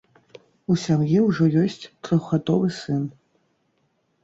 У сям'і ўжо ёсць трохгадовы сын.